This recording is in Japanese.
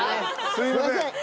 すいません！